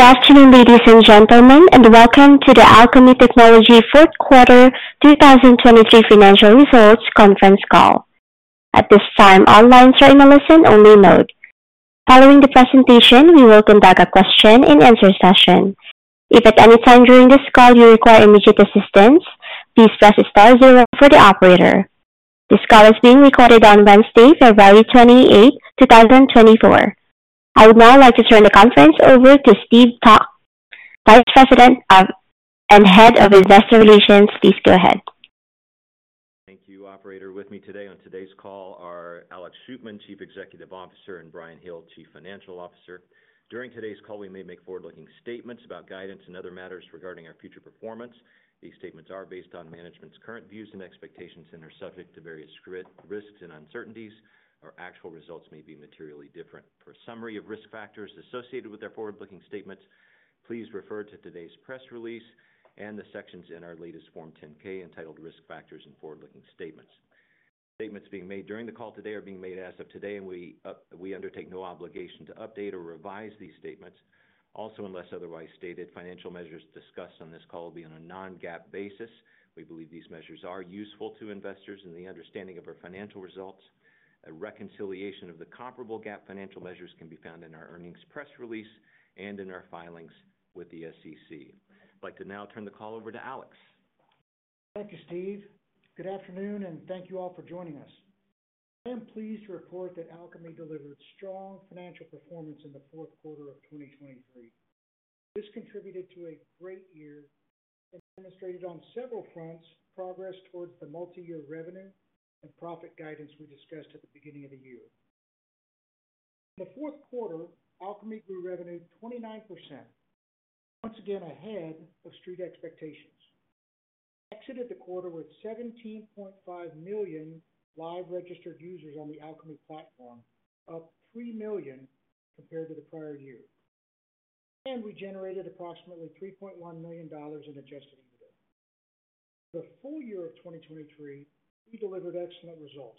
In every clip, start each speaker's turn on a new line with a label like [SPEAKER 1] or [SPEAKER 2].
[SPEAKER 1] Good afternoon, ladies and gentlemen, and welcome to the Alkami Technology Fourth Quarter 2023 Financial Results Conference Call. At this time, all lines are in a listen-only mode. Following the presentation, we will conduct a question-and-answer session. If at any time during this call you require immediate assistance, please press star 0 for the operator. This call is being recorded on Wednesday, February 28, 2024. I would now like to turn the conference over to Steve Calk, Vice President and Head of Investor Relations. Please go ahead.
[SPEAKER 2] Thank you, Operator. With me today on today's call are Alex Shootman, Chief Executive Officer, and Bryan Hill, Chief Financial Officer. During today's call, we may make forward-looking statements about guidance and other matters regarding our future performance. These statements are based on management's current views and expectations and are subject to various risks and uncertainties. Our actual results may be materially different. For a summary of risk factors associated with our forward-looking statements, please refer to today's press release and the sections in our latest Form 10-K entitled Risk Factors in Forward-Looking Statements. Statements being made during the call today are being made as of today, and we undertake no obligation to update or revise these statements. Also, unless otherwise stated, financial measures discussed on this call will be on a non-GAAP basis. We believe these measures are useful to investors in the understanding of our financial results. A reconciliation of the comparable GAAP financial measures can be found in our earnings press release and in our filings with the SEC. I'd like to now turn the call over to Alex.
[SPEAKER 3] Thank you, Steve. Good afternoon, and thank you all for joining us. I am pleased to report that Alkami delivered strong financial performance in the fourth quarter of 2023. This contributed to a great year and demonstrated, on several fronts, progress towards the multi-year revenue and profit guidance we discussed at the beginning of the year. In the fourth quarter, Alkami grew revenue 29%, once again ahead of street expectations. It exited the quarter with 17.5 million live registered users on the Alkami platform, up 3 million compared to the prior year, and we generated approximately $3.1 million in adjusted EBITDA. For the full year of 2023, we delivered excellent results,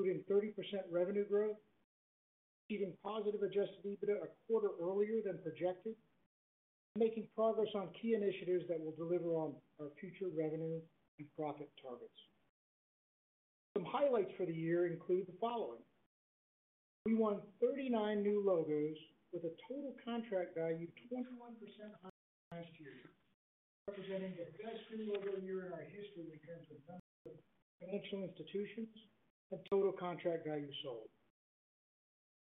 [SPEAKER 3] including 30% revenue growth, achieving positive adjusted EBITDA a quarter earlier than projected, and making progress on key initiatives that will deliver on our future revenue and profit targets. Some highlights for the year include the following: we won 39 new logos with a total contract value 21% higher than last year, representing the best Green Logo year in our history in terms of number of financial institutions and total contract value sold.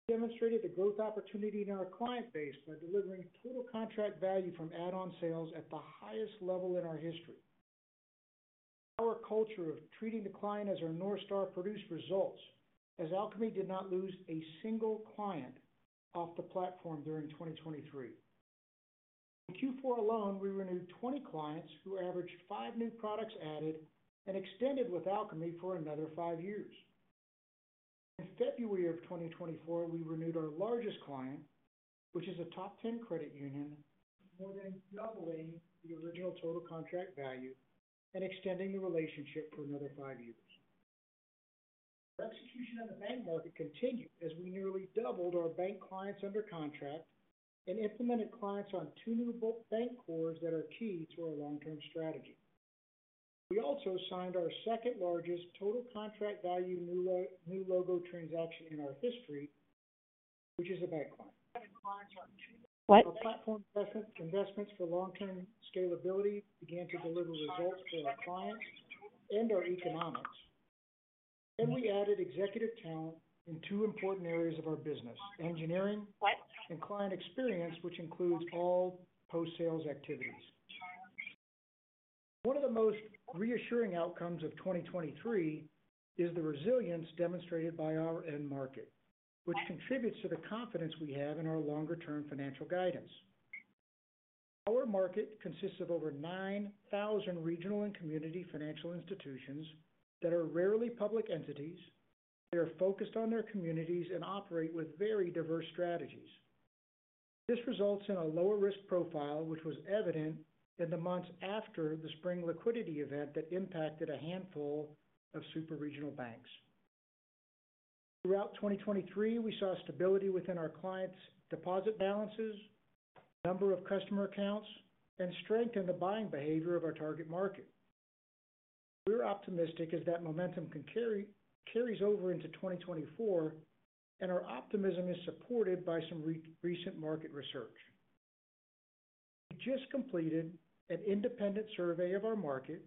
[SPEAKER 3] We demonstrated the growth opportunity in our client base by delivering total contract value from add-on sales at the highest level in our history. Our culture of treating the client as our North Star produced results, as Alkami did not lose a single client off the platform during 2023. In Q4 alone, we renewed 20 clients who averaged five new products added and extended with Alkami for another five years. In February of 2024, we renewed our largest client, which is a top-10 credit union, more than doubling the original total contract value and extending the relationship for another five years. Our execution in the bank market continued as we nearly doubled our bank clients under contract and implemented clients on two new bank cores that are key to our long-term strategy. We also signed our second-largest total contract value new logo transaction in our history, which is a bank client.
[SPEAKER 4] 7 clients on 2.
[SPEAKER 3] What? Our platform investments for long-term scalability began to deliver results for our clients and our economics, and we added executive talent in two important areas of our business: engineering. What? Client experience, which includes all post-sales activities. One of the most reassuring outcomes of 2023 is the resilience demonstrated by our end market, which contributes to the confidence we have in our longer-term financial guidance. Our market consists of over 9,000 regional and community financial institutions that are rarely public entities. They are focused on their communities and operate with very diverse strategies. This results in a lower risk profile, which was evident in the months after the spring liquidity event that impacted a handful of superregional banks. Throughout 2023, we saw stability within our clients' deposit balances, number of customer accounts, and strength in the buying behavior of our target market. We're optimistic as that momentum carries over into 2024, and our optimism is supported by some recent market research. We just completed an independent survey of our market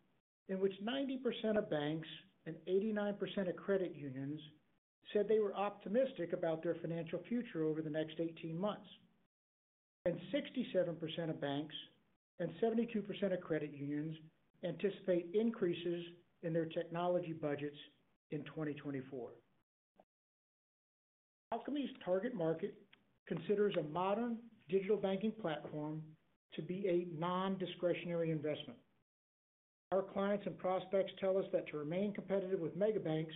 [SPEAKER 3] in which 90% of banks and 89% of credit unions said they were optimistic about their financial future over the next 18 months, and 67% of banks and 72% of credit unions anticipate increases in their technology budgets in 2024. Alkami's target market considers a modern digital banking platform to be a non-discretionary investment. Our clients and prospects tell us that to remain competitive with megabanks,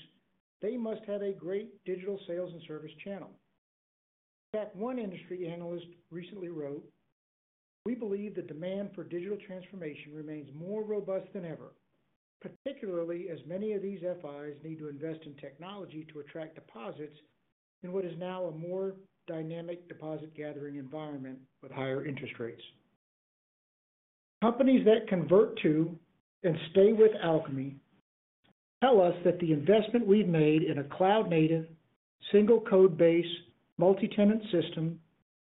[SPEAKER 3] they must have a great digital sales and service channel. One industry analyst recently wrote, "We believe the demand for digital transformation remains more robust than ever, particularly as many of these FIs need to invest in technology to attract deposits in what is now a more dynamic deposit-gathering environment with higher interest rates." Companies that convert to and stay with Alkami tell us that the investment we've made in a cloud-native single-code base multi-tenant system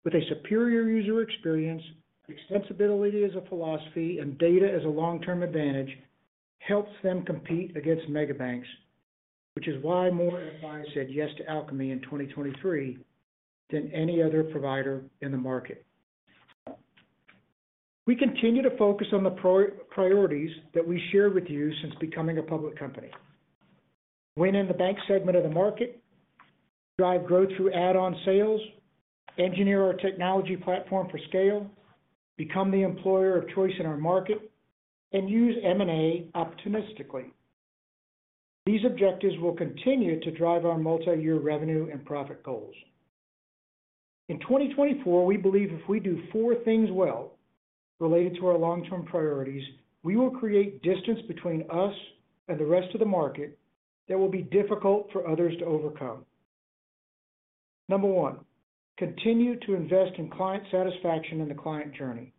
[SPEAKER 3] with a superior user experience, extensibility as a philosophy, and data as a long-term advantage helps them compete against megabanks, which is why more FIs said yes to Alkami in 2023 than any other provider in the market. We continue to focus on the priorities that we shared with you since becoming a public company: win in the bank segment of the market, drive growth through add-on sales, engineer our technology platform for scale, become the employer of choice in our market, and use M&A opportunistically. These objectives will continue to drive our multi-year revenue and profit goals. In 2024, we believe if we do four things well related to our long-term priorities, we will create distance between us and the rest of the market that will be difficult for others to overcome. Number one: continue to invest in client satisfaction and the client journey.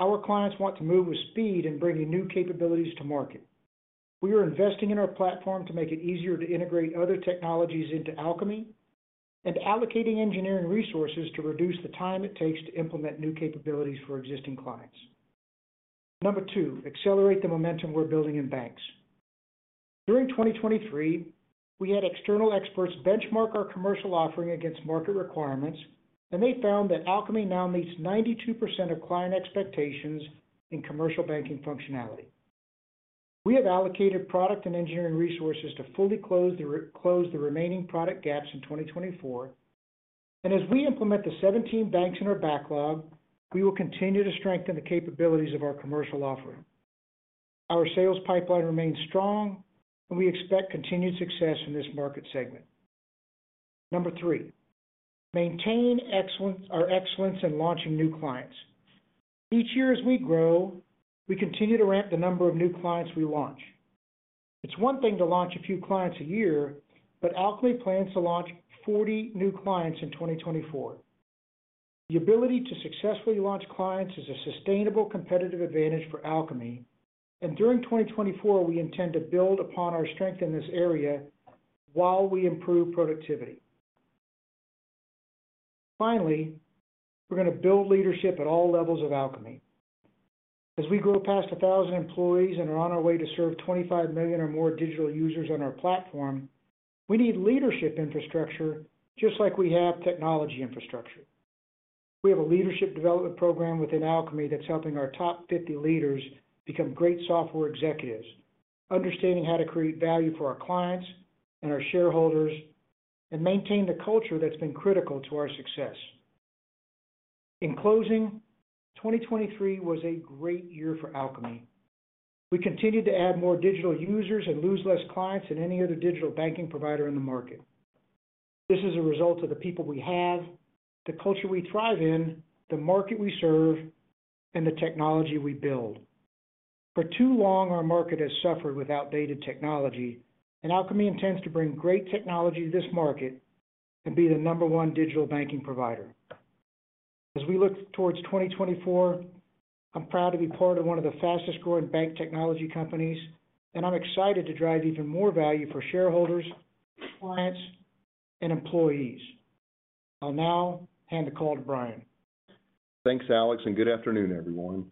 [SPEAKER 3] Our clients want to move with speed and bring new capabilities to market. We are investing in our platform to make it easier to integrate other technologies into Alkami and allocating engineering resources to reduce the time it takes to implement new capabilities for existing clients. Number two: accelerate the momentum we're building in banks. During 2023, we had external experts benchmark our commercial offering against market requirements, and they found that Alkami now meets 92% of client expectations in commercial banking functionality. We have allocated product and engineering resources to fully close the remaining product gaps in 2024, and as we implement the 17 banks in our backlog, we will continue to strengthen the capabilities of our commercial offering. Our sales pipeline remains strong, and we expect continued success in this market segment. Number three: maintain our excellence in launching new clients. Each year as we grow, we continue to ramp the number of new clients we launch. It's one thing to launch a few clients a year, but Alkami plans to launch 40 new clients in 2024. The ability to successfully launch clients is a sustainable competitive advantage for Alkami, and during 2024, we intend to build upon our strength in this area while we improve productivity. Finally, we're going to build leadership at all levels of Alkami. As we grow past 1,000 employees and are on our way to serve 25 million or more digital users on our platform, we need leadership infrastructure just like we have technology infrastructure. We have a leadership development program within Alkami that's helping our top 50 leaders become great software executives, understanding how to create value for our clients and our shareholders, and maintain the culture that's been critical to our success. In closing, 2023 was a great year for Alkami. We continue to add more digital users and lose less clients than any other digital banking provider in the market. This is a result of the people we have, the culture we thrive in, the market we serve, and the technology we build. For too long, our market has suffered with outdated technology, and Alkami intends to bring great technology to this market and be the number one digital banking provider. As we look towards 2024, I'm proud to be part of one of the fastest-growing bank technology companies, and I'm excited to drive even more value for shareholders, clients, and employees. I'll now hand the call to Bryan.
[SPEAKER 2] Thanks, Alex, and good afternoon, everyone.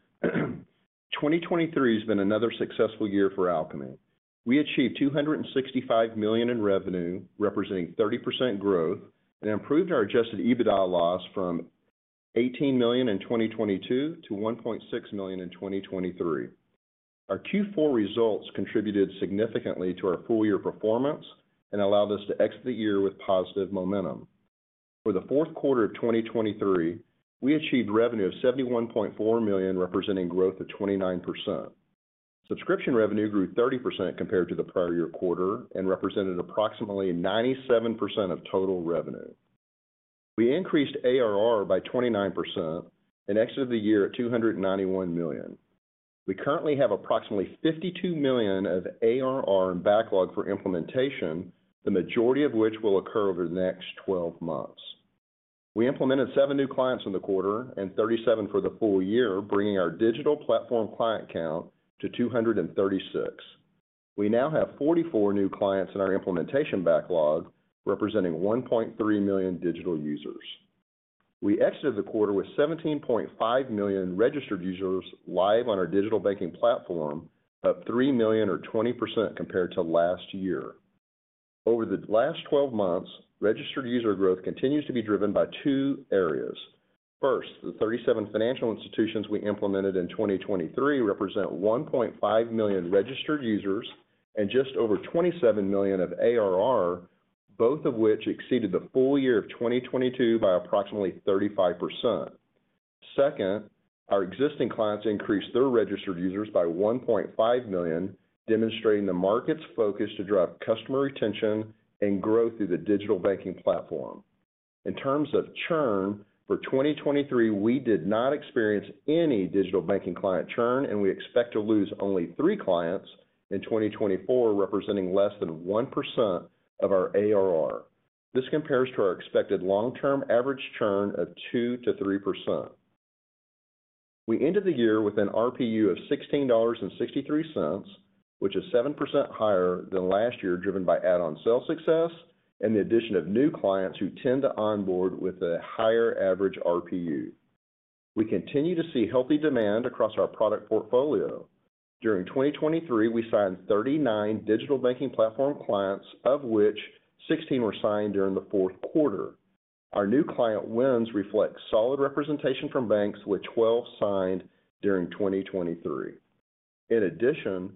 [SPEAKER 2] 2023 has been another successful year for Alkami. We achieved $265 million in revenue, representing 30% growth, and improved our Adjusted EBITDA loss from $18 million in 2022 to $1.6 million in 2023. Our Q4 results contributed significantly to our full-year performance and allowed us to exit the year with positive momentum. For the fourth quarter of 2023, we achieved revenue of $71.4 million, representing growth of 29%. Subscription revenue grew 30% compared to the prior-year quarter and represented approximately 97% of total revenue. We increased ARR by 29% and exited the year at $291 million. We currently have approximately $52 million of ARR in backlog for implementation, the majority of which will occur over the next 12 months. We implemented seven new clients in the quarter and 37 for the full year, bringing our digital platform client count to 236. We now have 44 new clients in our implementation backlog, representing 1.3 million digital users. We exited the quarter with 17.5 million registered users live on our digital banking platform, up 3 million or 20% compared to last year. Over the last 12 months, registered user growth continues to be driven by two areas. First, the 37 financial institutions we implemented in 2023 represent 1.5 million registered users and just over $27 million of ARR, both of which exceeded the full year of 2022 by approximately 35%. Second, our existing clients increased their registered users by 1.5 million, demonstrating the market's focus to drive customer retention and growth through the digital banking platform. In terms of churn, for 2023, we did not experience any digital banking client churn, and we expect to lose only three clients in 2024, representing less than 1% of our ARR. This compares to our expected long-term average churn of 2%-3%. We ended the year with an RPU of $16.63, which is 7% higher than last year, driven by add-on sale success and the addition of new clients who tend to onboard with a higher average RPU. We continue to see healthy demand across our product portfolio. During 2023, we signed 39 Digital Banking Platform clients, of which 16 were signed during the fourth quarter. Our new client wins reflect solid representation from banks with 12 signed during 2023. In addition,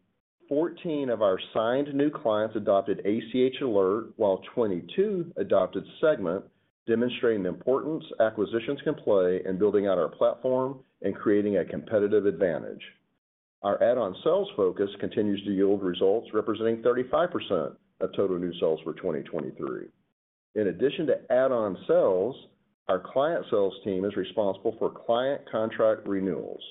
[SPEAKER 2] 14 of our signed new clients adopted ACH Alert, while 22 adopted Segment, demonstrating the importance acquisitions can play in building out our platform and creating a competitive advantage. Our add-on sales focus continues to yield results, representing 35% of total new sales for 2023. In addition to add-on sales, our client sales team is responsible for client contract renewals.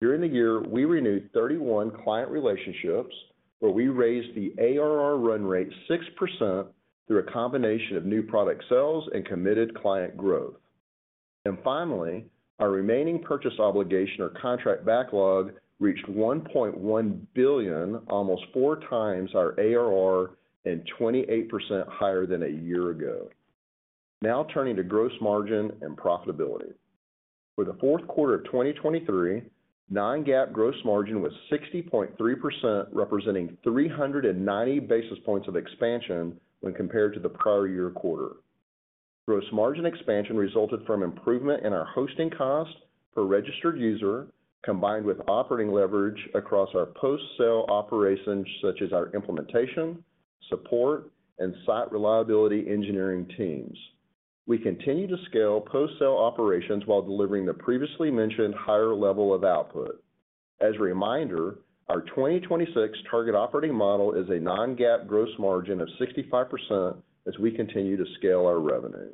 [SPEAKER 2] During the year, we renewed 31 client relationships, where we raised the ARR run rate 6% through a combination of new product sales and committed client growth. And finally, our remaining purchase obligation or contract backlog reached $1.1 billion, almost four times our ARR and 28% higher than a year ago. Now turning to gross margin and profitability. For the fourth quarter of 2023, non-GAAP gross margin was 60.3%, representing 390 basis points of expansion when compared to the prior-year quarter. Gross margin expansion resulted from improvement in our hosting cost per registered user, combined with operating leverage across our post-sale operations, such as our implementation, support, and site reliability engineering teams. We continue to scale post-sale operations while delivering the previously mentioned higher level of output. As a reminder, our 2026 target operating model is a non-GAAP gross margin of 65% as we continue to scale our revenue.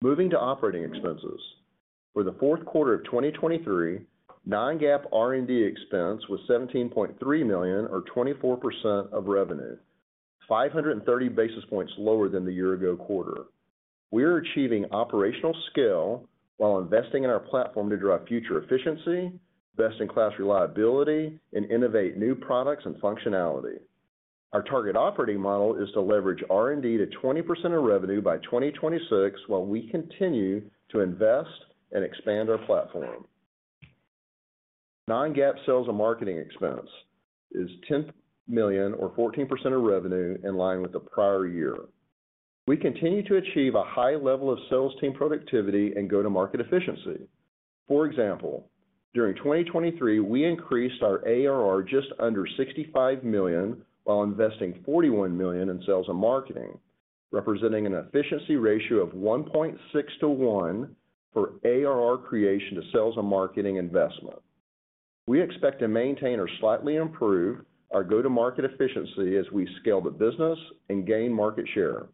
[SPEAKER 2] Moving to operating expenses. For the fourth quarter of 2023, non-GAAP R&D expense was $17.3 million or 24% of revenue, 530 basis points lower than the year-ago quarter. We are achieving operational scale while investing in our platform to drive future efficiency, best-in-class reliability, and innovate new products and functionality. Our target operating model is to leverage R&D to 20% of revenue by 2026 while we continue to invest and expand our platform. Non-GAAP sales and marketing expense is $10 million or 14% of revenue, in line with the prior year. We continue to achieve a high level of sales team productivity and go-to-market efficiency. For example, during 2023, we increased our ARR just under $65 million while investing $41 million in sales and marketing, representing an efficiency ratio of 1.6 to 1 for ARR creation to sales and marketing investment. We expect to maintain or slightly improve our go-to-market efficiency as we scale the business and gain market share.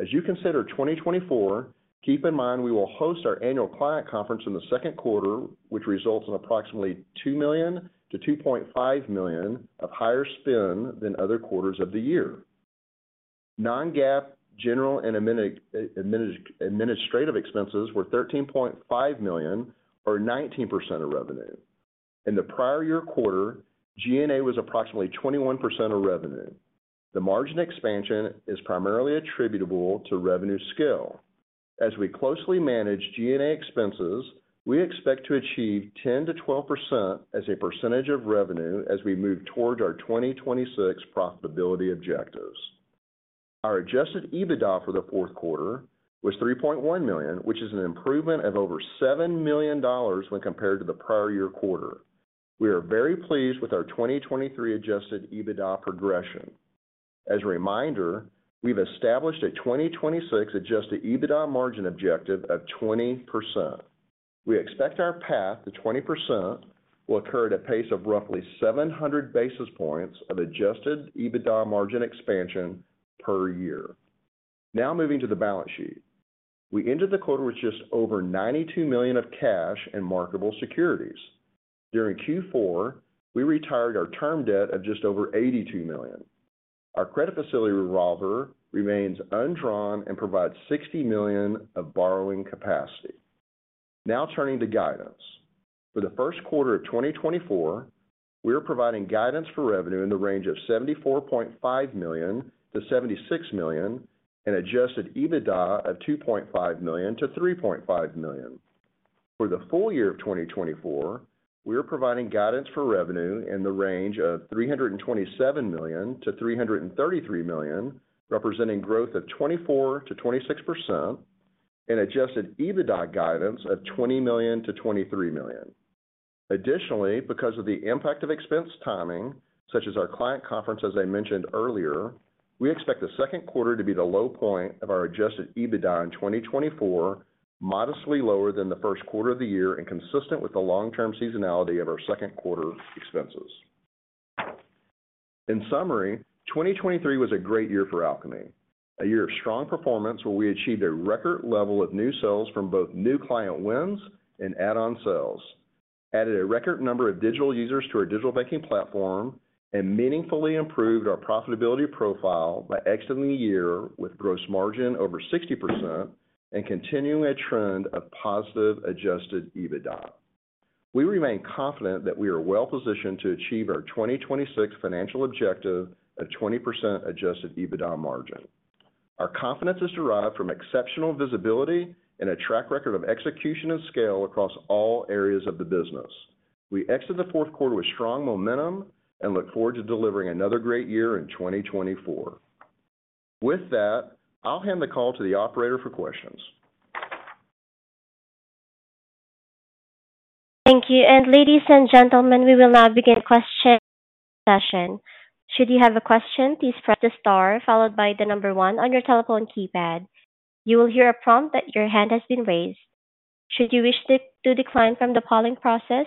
[SPEAKER 2] As you consider 2024, keep in mind we will host our annual client conference in the second quarter, which results in approximately $2 million-$2.5 million of higher spend than other quarters of the year. Non-GAAP general and administrative expenses were $13.5 million or 19% of revenue. In the prior-year quarter, G&A was approximately 21% of revenue. The margin expansion is primarily attributable to revenue scale. As we closely manage G&A expenses, we expect to achieve 10%-12% as a percentage of revenue as we move towards our 2026 profitability objectives. Our Adjusted EBITDA for the fourth quarter was $3.1 million, which is an improvement of over $7 million when compared to the prior-year quarter. We are very pleased with our 2023 Adjusted EBITDA progression. As a reminder, we've established a 2026 Adjusted EBITDA margin objective of 20%. We expect our path to 20% will occur at a pace of roughly 700 basis points of Adjusted EBITDA margin expansion per year. Now moving to the balance sheet. We ended the quarter with just over $92 million of cash and marketable securities. During Q4, we retired our term debt of just over $82 million. Our credit facility revolver remains undrawn and provides $60 million of borrowing capacity. Now turning to guidance. For the first quarter of 2024, we are providing guidance for revenue in the range of $74.5 million-$76 million and Adjusted EBITDA of $2.5 million-$3.5 million. For the full year of 2024, we are providing guidance for revenue in the range of $327 million-$333 million, representing growth of 24%-26% and Adjusted EBITDA guidance of $20 million-$23 million. Additionally, because of the impact of expense timing, such as our client conference, as I mentioned earlier, we expect the second quarter to be the low point of our Adjusted EBITDA in 2024, modestly lower than the first quarter of the year and consistent with the long-term seasonality of our second quarter expenses. In summary, 2023 was a great year for Alkami, a year of strong performance where we achieved a record level of new sales from both new client wins and add-on sales, added a record number of digital users to our digital banking platform, and meaningfully improved our profitability profile by exiting the year with gross margin over 60% and continuing a trend of positive Adjusted EBITDA. We remain confident that we are well positioned to achieve our 2026 financial objective of 20% Adjusted EBITDA margin. Our confidence is derived from exceptional visibility and a track record of execution and scale across all areas of the business. We exited the fourth quarter with strong momentum and look forward to delivering another great year in 2024. With that, I'll hand the call to the operator for questions.
[SPEAKER 1] Thank you. And ladies and gentlemen, we will now begin the question session. Should you have a question, please press the star followed by the number one on your telephone keypad. You will hear a prompt that your hand has been raised. Should you wish to decline from the polling process,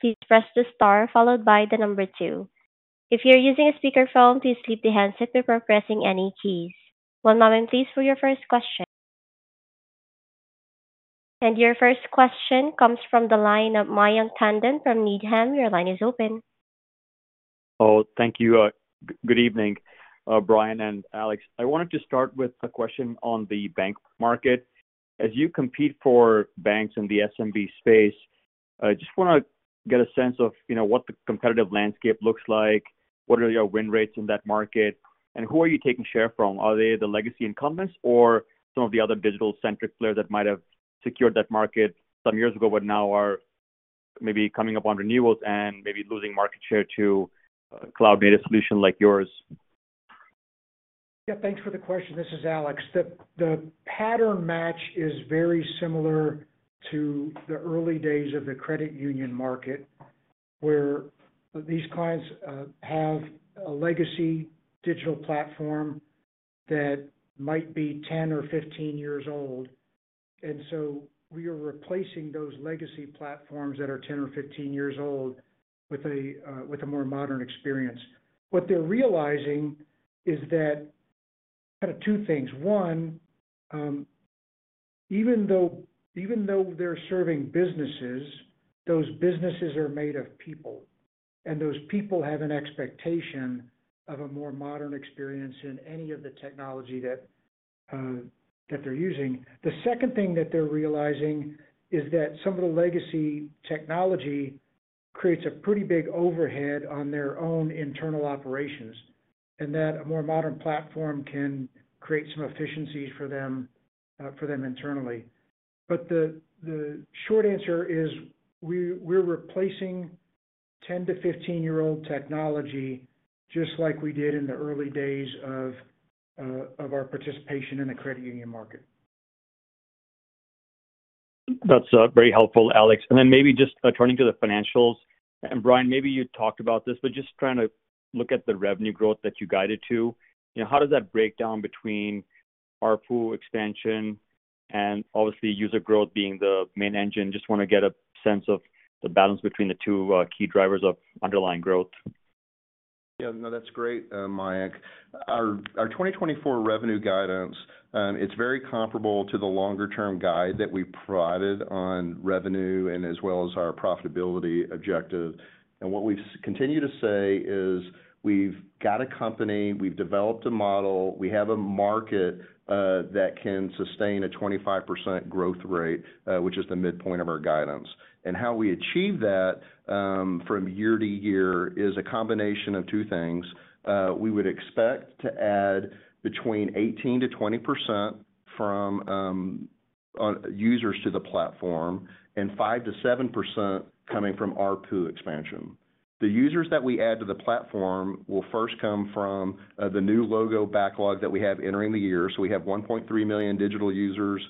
[SPEAKER 1] please press the star followed by the number two. If you're using a speakerphone, please lift the handset before pressing any keys. One moment, please, for your first question. And your first question comes from the line of Mayank Tandon from Needham. Your line is open.
[SPEAKER 4] Oh, thank you. Good evening, Bryan and Alex. I wanted to start with a question on the bank market. As you compete for banks in the SMB space, I just want to get a sense of what the competitive landscape looks like. What are your win rates in that market? And who are you taking share from? Are they the legacy incumbents or some of the other digital-centric players that might have secured that market some years ago but now are maybe coming up on renewals and maybe losing market share to a cloud-native solution like yours?
[SPEAKER 3] Yeah, thanks for the question. This is Alex. The pattern match is very similar to the early days of the credit union market, where these clients have a legacy digital platform that might be 10 or 15 years old. So we are replacing those legacy platforms that are 10 or 15 years old with a more modern experience. What they're realizing is that kind of two things. One, even though they're serving businesses, those businesses are made of people, and those people have an expectation of a more modern experience in any of the technology that they're using. The second thing that they're realizing is that some of the legacy technology creates a pretty big overhead on their own internal operations, and that a more modern platform can create some efficiencies for them internally. The short answer is we're replacing 10- to 15-year-old technology just like we did in the early days of our participation in the credit union market.
[SPEAKER 4] That's very helpful, Alex. Then maybe just turning to the financials. Bryan, maybe you talked about this, but just trying to look at the revenue growth that you guided to, how does that break down between ARPU expansion and obviously user growth being the main engine? Just want to get a sense of the balance between the two key drivers of underlying growth.
[SPEAKER 5] Yeah, no, that's great, Mayank. Our 2024 revenue guidance, it's very comparable to the longer-term guide that we provided on revenue and as well as our profitability objective. What we've continued to say is we've got a company, we've developed a model, we have a market that can sustain a 25% growth rate, which is the midpoint of our guidance. How we achieve that from year to year is a combination of two things. We would expect to add between 18%-20% from users to the platform and 5%-7% coming from ARPU expansion. The users that we add to the platform will first come from the new logo backlog that we have entering the year. So we have 1.3 million digital users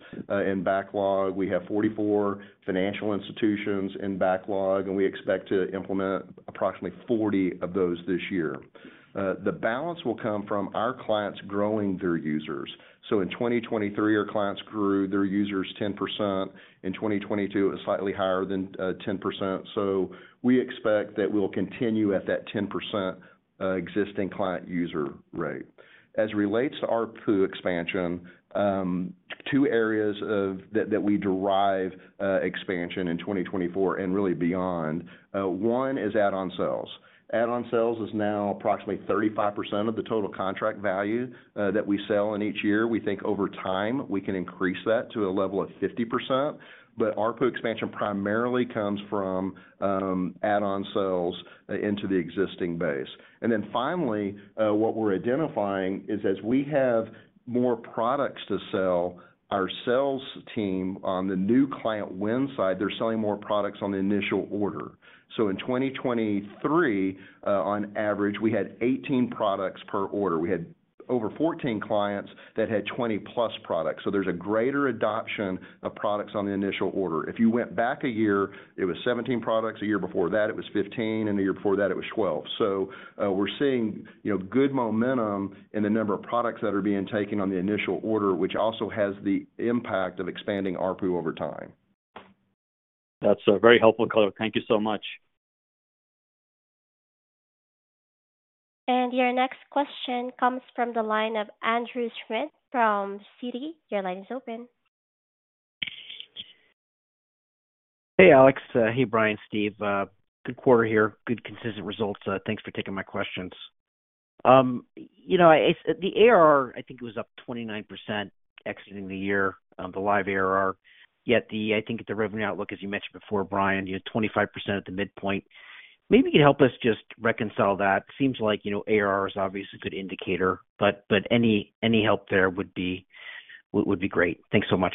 [SPEAKER 5] in backlog. We have 44 financial institutions in backlog, and we expect to implement approximately 40 of those this year. The balance will come from our clients growing their users. In 2023, our clients grew their users 10%. In 2022, it was slightly higher than 10%. We expect that we'll continue at that 10% existing client user rate. As relates to ARPU expansion, two areas that we derive expansion in 2024 and really beyond, one is add-on sales. Add-on sales is now approximately 35% of the total contract value that we sell in each year. We think over time, we can increase that to a level of 50%. ARPU expansion primarily comes from add-on sales into the existing base. Then finally, what we're identifying is as we have more products to sell, our sales team on the new client win side, they're selling more products on the initial order. In 2023, on average, we had 18 products per order. We had over 14 clients that had 20+ products. So there's a greater adoption of products on the initial order. If you went back a year, it was 17 products. The year before that, it was 15. And the year before that, it was 12. So we're seeing good momentum in the number of products that are being taken on the initial order, which also has the impact of expanding ARPU over time.
[SPEAKER 4] That's a very helpful color. Thank you so much.
[SPEAKER 1] Your next question comes from the line of Andrew Schmidt from Citi. Your line is open.
[SPEAKER 6] Hey, Alex. Hey, Bryan, Steve. Good quarter here. Good consistent results. Thanks for taking my questions. The ARR, I think it was up 29% exiting the year, the live ARR. Yet I think at the revenue outlook, as you mentioned before, Bryan, 25% at the midpoint. Maybe you could help us just reconcile that. Seems like ARR is obviously a good indicator, but any help there would be great. Thanks so much.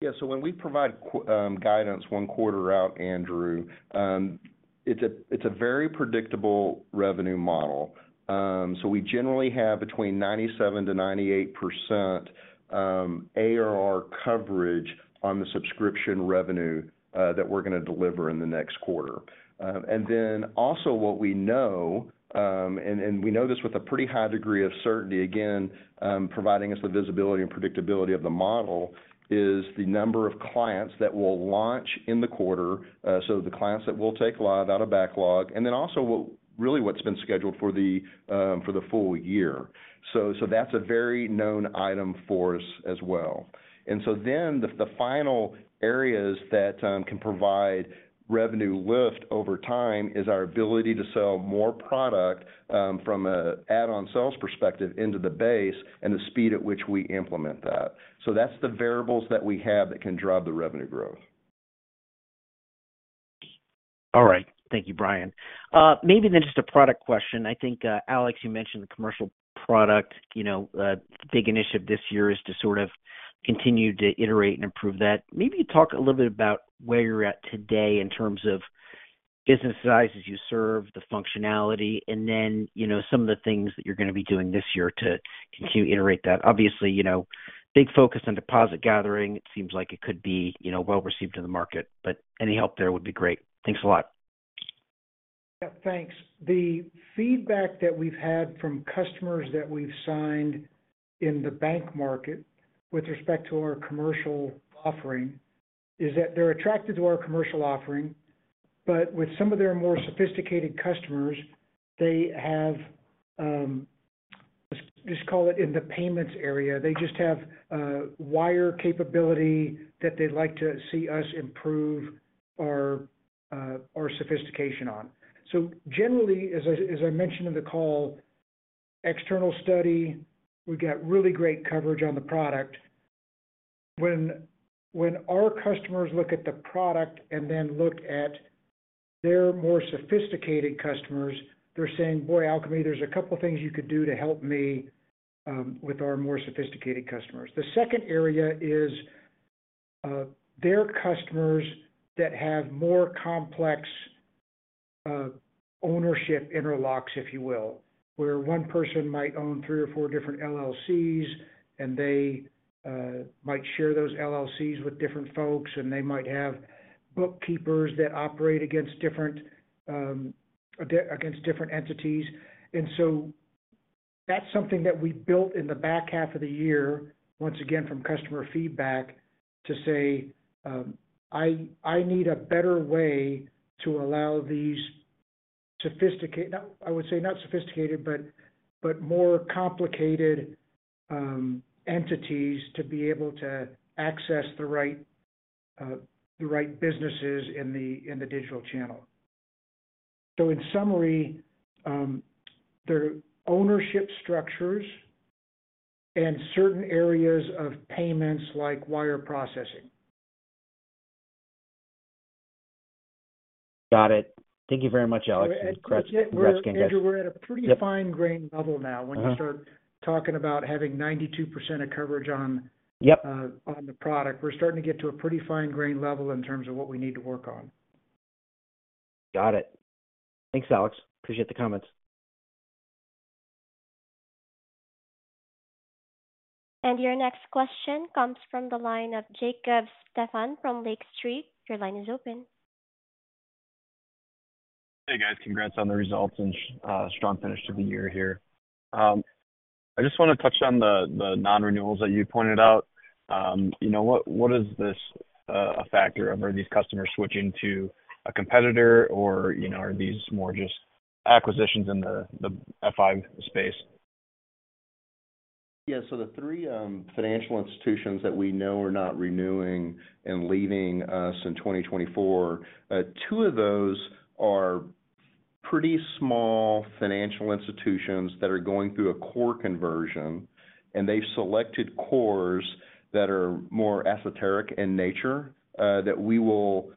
[SPEAKER 5] Yeah. So when we provide guidance one quarter out, Andrew, it's a very predictable revenue model. So we generally have between 97%-98% ARR coverage on the subscription revenue that we're going to deliver in the next quarter. And then also what we know, and we know this with a pretty high degree of certainty, again, providing us the visibility and predictability of the model, is the number of clients that will launch in the quarter, so the clients that will take live out of backlog, and then also really what's been scheduled for the full year. So that's a very known item for us as well. And so then the final areas that can provide revenue lift over time is our ability to sell more product from an add-on sales perspective into the base and the speed at which we implement that. That's the variables that we have that can drive the revenue growth.
[SPEAKER 6] All right. Thank you, Bryan. Maybe then just a product question. I think, Alex, you mentioned the commercial product. A big initiative this year is to sort of continue to iterate and improve that. Maybe you talk a little bit about where you're at today in terms of business sizes you serve, the functionality, and then some of the things that you're going to be doing this year to continue to iterate that. Obviously, big focus on deposit gathering. It seems like it could be well received in the market, but any help there would be great. Thanks a lot.
[SPEAKER 3] Yeah, thanks. The feedback that we've had from customers that we've signed in the bank market with respect to our commercial offering is that they're attracted to our commercial offering, but with some of their more sophisticated customers, in the payments area, they just have wire capability that they'd like to see us improve our sophistication on. So generally, as I mentioned in the call, external study, we've got really great coverage on the product. When our customers look at the product and then look at their more sophisticated customers, they're saying, "Boy, Alkami, there's a couple of things you could do to help me with our more sophisticated customers." The second area is their customers that have more complex ownership interlocks, if you will, where one person might own three or four different LLCs, and they might share those LLCs with different folks, and they might have bookkeepers that operate against different entities. And so that's something that we built in the back half of the year, once again, from customer feedback to say, "I need a better way to allow these sophisticated." I would say not sophisticated, but more complicated entities to be able to access the right businesses in the digital channel. So in summary, their ownership structures and certain areas of payments like wire processing.
[SPEAKER 6] Got it. Thank you very much, Alex. And grats.
[SPEAKER 3] Yeah, Andrew, we're at a pretty fine-grained level now. When you start talking about having 92% of coverage on the product, we're starting to get to a pretty fine-grained level in terms of what we need to work on.
[SPEAKER 6] Got it. Thanks, Alex. Appreciate the comments.
[SPEAKER 1] Your next question comes from the line of Jacob Stephan from Lake Street. Your line is open.
[SPEAKER 7] Hey, guys. Congrats on the results and strong finish to the year here. I just want to touch on the non-renewals that you pointed out. What is this a factor of? Are these customers switching to a competitor, or are these more just acquisitions in the FI space?
[SPEAKER 5] Yeah. So the three financial institutions that we know are not renewing and leaving us in 2024, two of those are pretty small financial institutions that are going through a core conversion, and they've selected cores that are more esoteric in nature that we will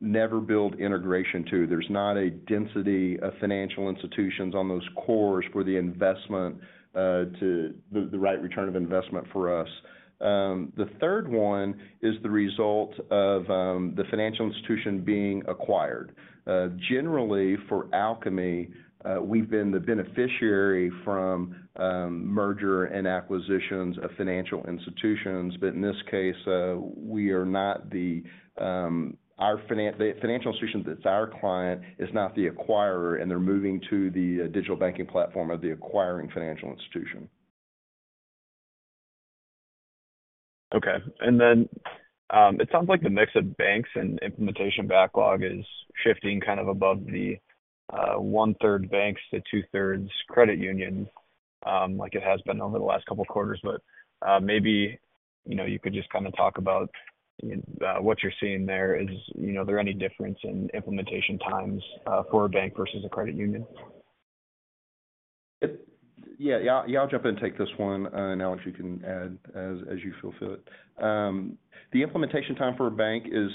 [SPEAKER 5] never build integration to. There's not a density of financial institutions on those cores for the investment to the right return of investment for us. The third one is the result of the financial institution being acquired. Generally, for Alkami, we've been the beneficiary from merger and acquisitions of financial institutions, but in this case, we are not the financial institution that's our client is not the acquirer, and they're moving to the digital banking platform of the acquiring financial institution.
[SPEAKER 7] Okay. And then it sounds like the mix of banks and implementation backlog is shifting kind of above the one-third banks to two-thirds credit unions like it has been over the last couple of quarters. But maybe you could just kind of talk about what you're seeing there. Is there any difference in implementation times for a bank versus a credit union?
[SPEAKER 2] Yeah. Yeah, I'll jump in and take this one, and Alex, you can add as you feel fit. The implementation time for a bank is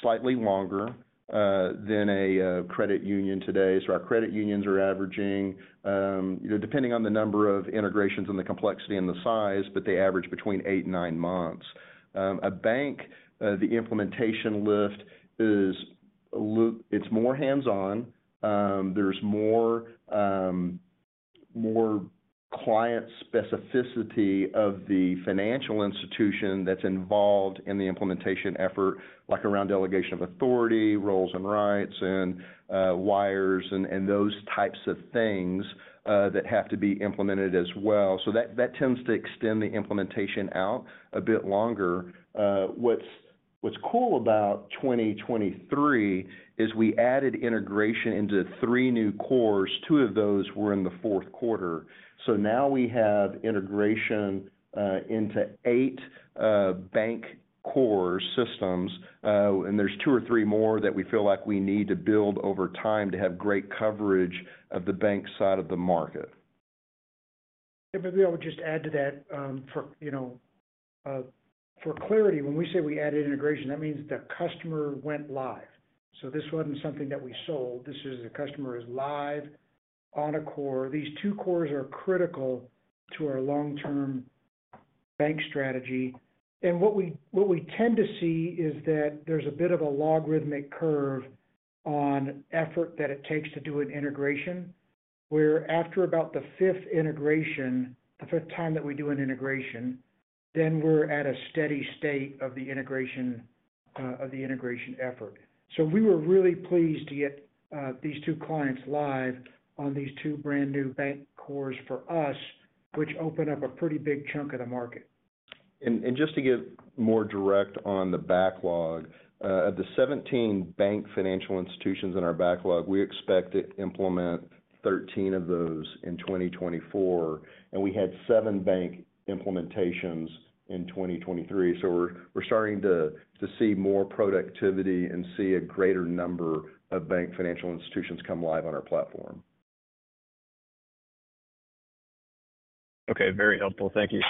[SPEAKER 2] slightly longer than a credit union today. So our credit unions are averaging, depending on the number of integrations and the complexity and the size, but they average between 8 and 9 months. A bank, the implementation lift is more hands-on. There's more client specificity of the financial institution that's involved in the implementation effort, like around delegation of authority, roles and rights, and wires, and those types of things that have to be implemented as well. So that tends to extend the implementation out a bit longer. What's cool about 2023 is we added integration into 3 new cores. 2 of those were in the fourth quarter. So now we have integration into eight bank core systems, and there's two or three more that we feel like we need to build over time to have great coverage of the bank side of the market.
[SPEAKER 3] Yeah, maybe I would just add to that for clarity. When we say we added integration, that means the customer went live. So this wasn't something that we sold. This is the customer is live on a core. These two cores are critical to our long-term bank strategy. And what we tend to see is that there's a bit of a logarithmic curve on effort that it takes to do an integration, where after about the fifth integration, the fifth time that we do an integration, then we're at a steady state of the integration effort. So we were really pleased to get these two clients live on these two brand new bank cores for us, which opened up a pretty big chunk of the market.
[SPEAKER 5] Just to get more direct on the backlog, of the 17 bank financial institutions in our backlog, we expect to implement 13 of those in 2024, and we had 7 bank implementations in 2023. We're starting to see more productivity and see a greater number of bank financial institutions come live on our platform.
[SPEAKER 7] Okay. Very helpful. Thank you.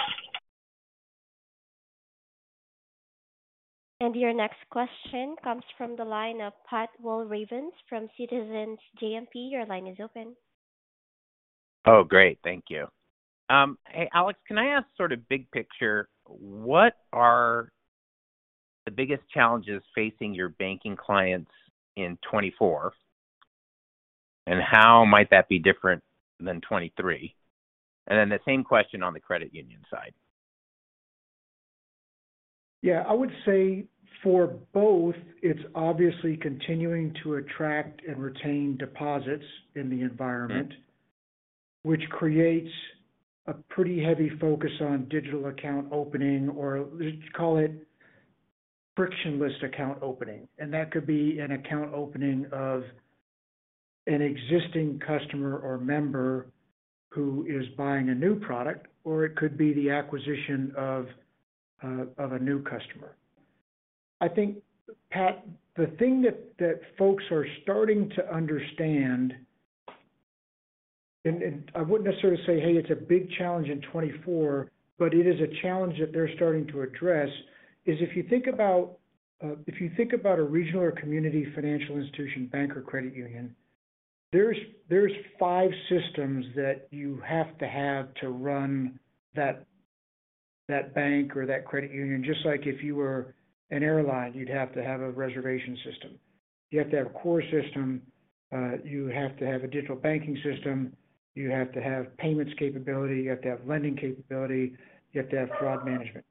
[SPEAKER 1] Your next question comes from the line of Pat Walravens from Citizens JMP. Your line is open.
[SPEAKER 8] Oh, great. Thank you. Hey, Alex, can I ask sort of big picture, what are the biggest challenges facing your banking clients in 2024, and how might that be different than 2023? And then the same question on the credit union side.
[SPEAKER 3] Yeah. I would say for both, it's obviously continuing to attract and retain deposits in the environment, which creates a pretty heavy focus on digital account opening or call it frictionless account opening. And that could be an account opening of an existing customer or member who is buying a new product, or it could be the acquisition of a new customer. I think, Pat, the thing that folks are starting to understand, and I wouldn't necessarily say, "Hey, it's a big challenge in 2024," but it is a challenge that they're starting to address, is if you think about a regional or community financial institution, bank or credit union, there's five systems that you have to have to run that bank or that credit union. Just like if you were an airline, you'd have to have a reservation system. You have to have a core system. You have to have a digital banking system. You have to have payments capability. You have to have lending capability. You have to have fraud management.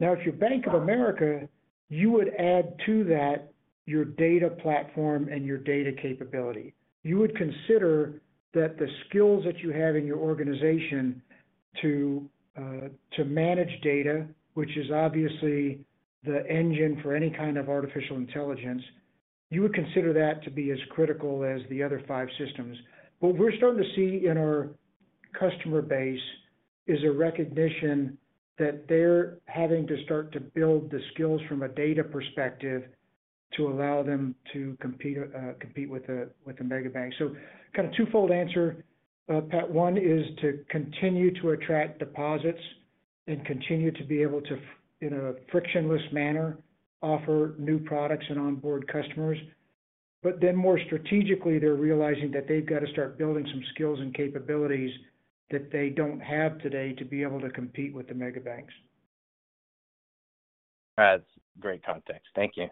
[SPEAKER 3] Now, if you're Bank of America, you would add to that your data platform and your data capability. You would consider that the skills that you have in your organization to manage data, which is obviously the engine for any kind of artificial intelligence, you would consider that to be as critical as the other five systems. What we're starting to see in our customer base is a recognition that they're having to start to build the skills from a data perspective to allow them to compete with a mega bank. So kind of twofold answer, Pat. One is to continue to attract deposits and continue to be able to, in a frictionless manner, offer new products and onboard customers. But then more strategically, they're realizing that they've got to start building some skills and capabilities that they don't have today to be able to compete with the mega banks.
[SPEAKER 8] That's great context. Thank you.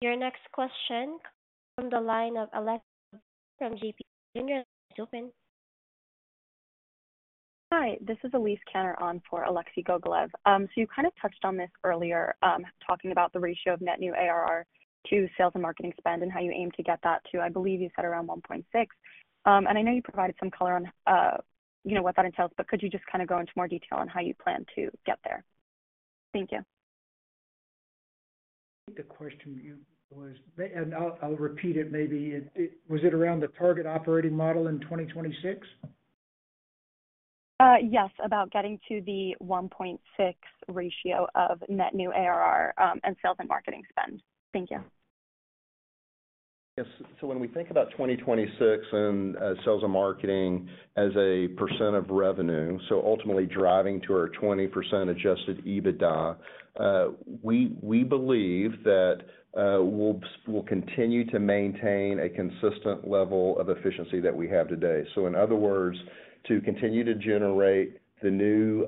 [SPEAKER 1] Your next question comes from the line of Alexei from J.P. Morgan. It's open.
[SPEAKER 9] Hi. This is Elise Kanner on for Alexei Gogolev. So you kind of touched on this earlier, talking about the ratio of net new ARR to sales and marketing spend and how you aim to get that to, I believe you said, around 1.6. And I know you provided some color on what that entails, but could you just kind of go into more detail on how you plan to get there? Thank you.
[SPEAKER 3] I think the question was, and I'll repeat it maybe. Was it around the target operating model in 2026?
[SPEAKER 9] Yes, about getting to the 1.6 ratio of net new ARR and sales and marketing spend. Thank you.
[SPEAKER 5] Yes. So when we think about 2026 and sales and marketing as a percent of revenue, so ultimately driving to our 20% Adjusted EBITDA, we believe that we'll continue to maintain a consistent level of efficiency that we have today. So in other words, to continue to generate the new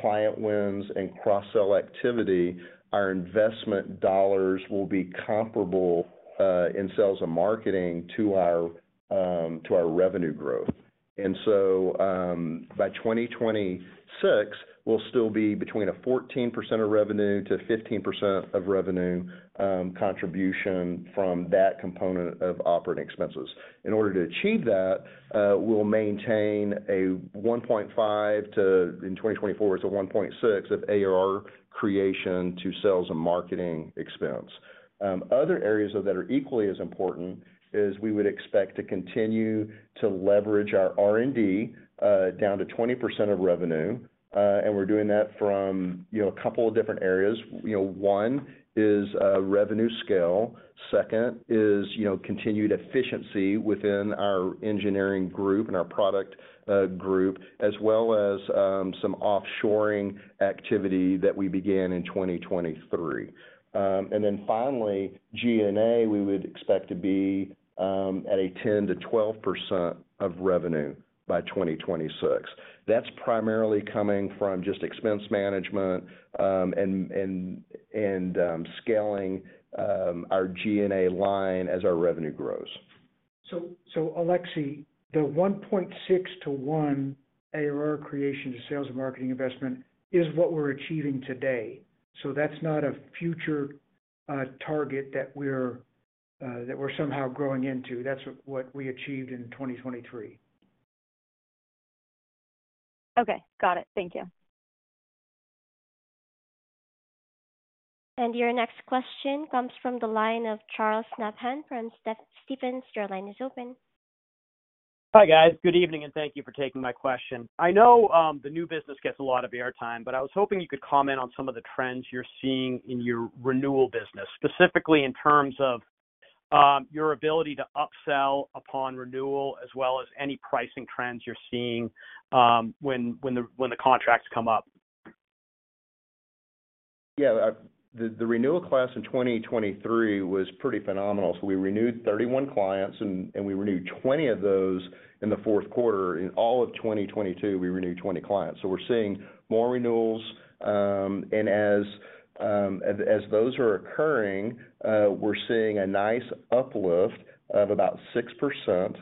[SPEAKER 5] client wins and cross-sell activity, our investment dollars will be comparable in sales and marketing to our revenue growth. And so by 2026, we'll still be between 14%-15% of revenue contribution from that component of operating expenses. In order to achieve that, we'll maintain a 1.5 to in 2024, it's a 1.6 of ARR creation to sales and marketing expense. Other areas that are equally as important is we would expect to continue to leverage our R&D down to 20% of revenue, and we're doing that from a couple of different areas. One is revenue scale. Second is continued efficiency within our engineering group and our product group, as well as some offshoring activity that we began in 2023. Then finally, G&A, we would expect to be at a 10%-12% of revenue by 2026. That's primarily coming from just expense management and scaling our G&A line as our revenue grows.
[SPEAKER 3] So, Alexei, the 1.6 to 1 ARR creation to sales and marketing investment is what we're achieving today. So that's not a future target that we're somehow growing into. That's what we achieved in 2023.
[SPEAKER 9] Okay. Got it. Thank you.
[SPEAKER 1] Your next question comes from the line of Charles Nabhan from Stephens. Your line is open.
[SPEAKER 10] Hi, guys. Good evening, and thank you for taking my question. I know the new business gets a lot of airtime, but I was hoping you could comment on some of the trends you're seeing in your renewal business, specifically in terms of your ability to upsell upon renewal, as well as any pricing trends you're seeing when the contracts come up.
[SPEAKER 5] Yeah. The renewal class in 2023 was pretty phenomenal. So we renewed 31 clients, and we renewed 20 of those in the fourth quarter. In all of 2022, we renewed 20 clients. So we're seeing more renewals. And as those are occurring, we're seeing a nice uplift of about 6%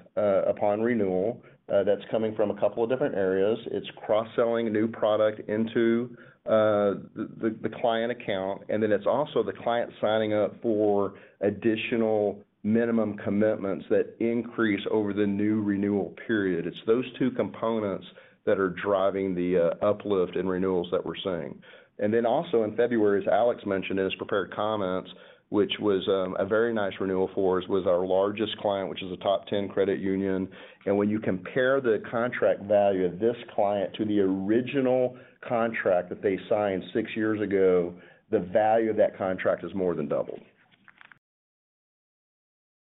[SPEAKER 5] upon renewal. That's coming from a couple of different areas. It's cross-selling new product into the client account. And then it's also the client signing up for additional minimum commitments that increase over the new renewal period. It's those two components that are driving the uplift in renewals that we're seeing. And then also in February, as Alex mentioned in his prepared comments, which was a very nice renewal for us, was our largest client, which is a top 10 credit union. When you compare the contract value of this client to the original contract that they signed six years ago, the value of that contract is more than doubled.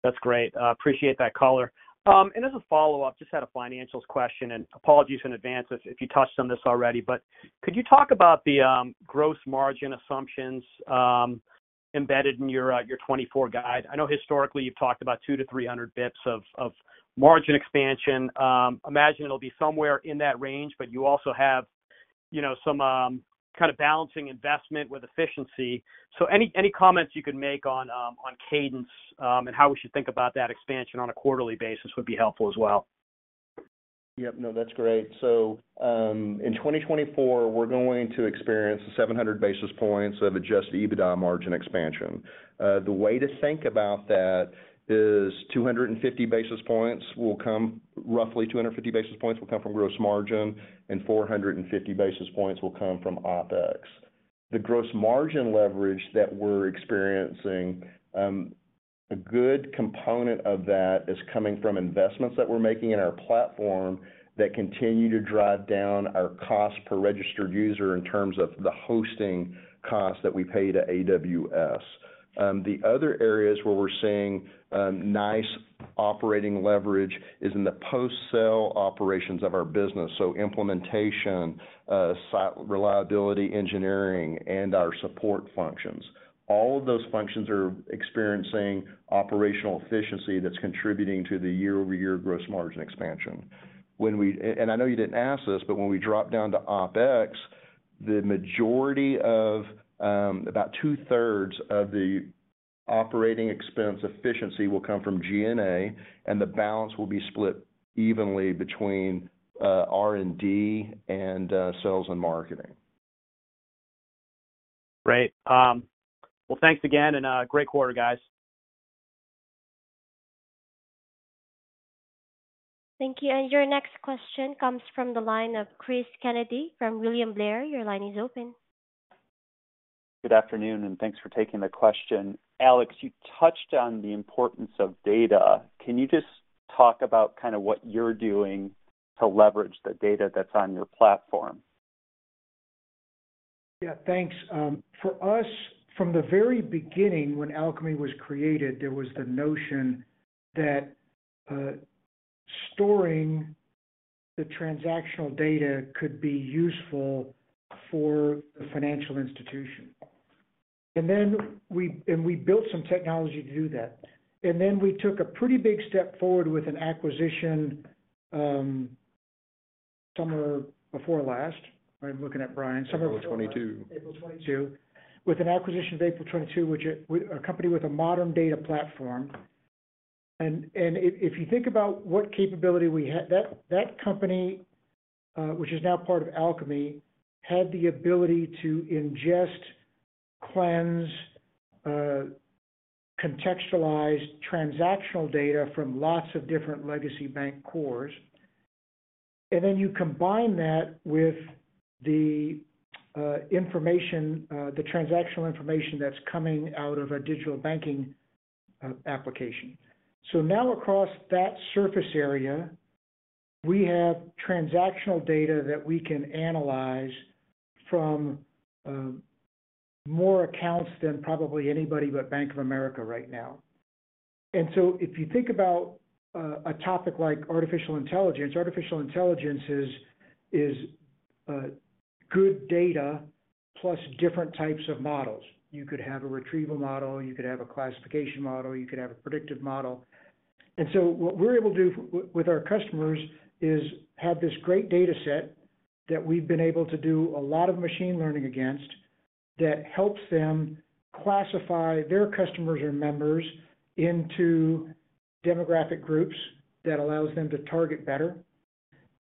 [SPEAKER 10] That's great. I appreciate that, caller. As a follow-up, I just have a financials question, and apologies in advance if you touched on this already, but could you talk about the gross margin assumptions embedded in your 2024 guide? I know historically, you've talked about 2 to 300 basis points of margin expansion. I imagine it'll be somewhere in that range, but you also have some kind of balancing investment with efficiency. So any comments you could make on cadence and how we should think about that expansion on a quarterly basis would be helpful as well.
[SPEAKER 5] Yep. No, that's great. So in 2024, we're going to experience 700 basis points of Adjusted EBITDA margin expansion. The way to think about that is 250 basis points will come roughly 250 basis points will come from gross margin, and 450 basis points will come from OpEx. The gross margin leverage that we're experiencing, a good component of that is coming from investments that we're making in our platform that continue to drive down our cost per registered user in terms of the hosting costs that we pay to AWS. The other areas where we're seeing nice operating leverage is in the post-sale operations of our business, so implementation, reliability, engineering, and our support functions. All of those functions are experiencing operational efficiency that's contributing to the year-over-year gross margin expansion. I know you didn't ask this, but when we drop down to OpEx, the majority of about two-thirds of the operating expense efficiency will come from G&A, and the balance will be split evenly between R&D and sales and marketing.
[SPEAKER 10] Great. Well, thanks again, and great quarter, guys.
[SPEAKER 1] Thank you. And your next question comes from the line of Chris Kennedy from William Blair. Your line is open.
[SPEAKER 8] Good afternoon, and thanks for taking the question. Alex, you touched on the importance of data. Can you just talk about kind of what you're doing to leverage the data that's on your platform?
[SPEAKER 3] Yeah. Thanks. For us, from the very beginning, when Alkami was created, there was the notion that storing the transactional data could be useful for the financial institution. And we built some technology to do that. And then we took a pretty big step forward with an acquisition summer before last. I'm looking at Bryan. Summer of.
[SPEAKER 5] April '22.
[SPEAKER 3] April 2022. With an acquisition of April 2022, a company with a modern data platform. And if you think about what capability we had, that company, which is now part of Alkami, had the ability to ingest, cleanse, contextualize transactional data from lots of different legacy bank cores. And then you combine that with the transactional information that's coming out of a digital banking application. So now across that surface area, we have transactional data that we can analyze from more accounts than probably anybody but Bank of America right now. And so if you think about a topic like artificial intelligence, artificial intelligence is good data plus different types of models. You could have a retrieval model. You could have a classification model. You could have a predictive model. And so what we're able to do with our customers is have this great dataset that we've been able to do a lot of machine learning against that helps them classify their customers or members into demographic groups that allows them to target better